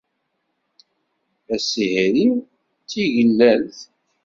Asihri, d tigellelt.